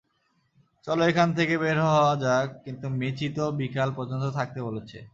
চলো এখান থেকে বের হওয়া যাক কিন্তু মিচি তো বিকাল পর্যন্ত থাকতে বলছে।